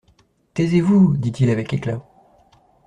Taisez-vous, dit-il avec éclat.